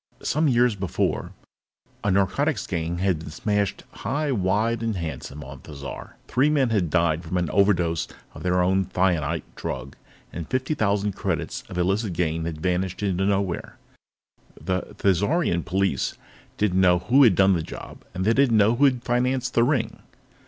Some years before, a narcotics gang had been smashed high, wide, and handsome on Thizar. Three men had died from an overdose of their own thionite drug, and fifty thousand credits of illicit gain had vanished into nowhere. The Thizarian police didn't know who had done the job, and they didn't know who had financed the ring.